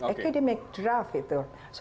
akademik draft itu